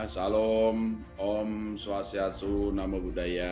salam om swasiasu nama budaya